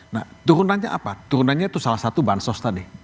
nah turunannya apa turunannya itu salah satu bansos tadi